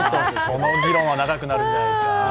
その議論は長くなるんじゃないですか。